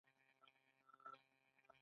دا د موټر جوړونې له تاسیساتو څخه ارزانه دي